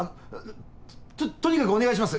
ととにかくお願いします